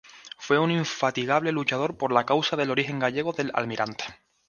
Fue un infatigable luchador por la causa del origen gallego del Almirante.